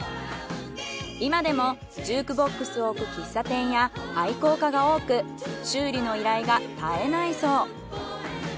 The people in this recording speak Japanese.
今でもジュークボックスを置く喫茶店や愛好家が多く修理の依頼が絶えないそう。